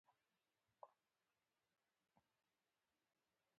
• بې انصافه انسان محبوب نه وي.